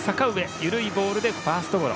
緩いボールでファーストゴロ。